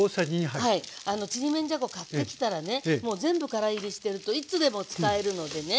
ちりめんじゃこ買ってきたらねもう全部からいりしてるといつでも使えるのでね